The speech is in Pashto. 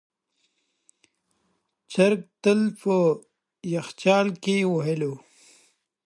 چرګ تل په یخچال کې ویلوئ.